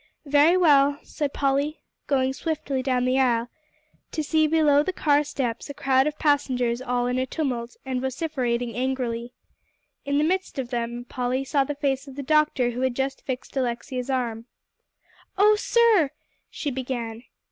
"Very well," said Polly, going swiftly down the aisle, to see below the car steps a crowd of passengers all in a tumult, and vociferating angrily. In the midst of them, Polly saw the face of the doctor who had just fixed Alexia's arm. "Oh sir," she began.